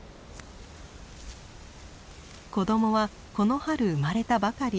子どもはこの春生まれたばかり。